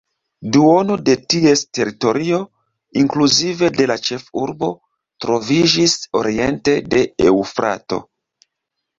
Duono de ties teritorio, inkluzive de la ĉefurbo, troviĝis oriente de Eŭfrato.